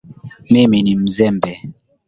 Mimi ni mzembe